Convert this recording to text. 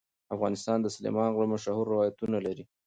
افغانستان د سلیمان غر مشهور روایتونه لري.